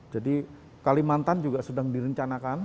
jadi kalimantan juga sudah direncanakan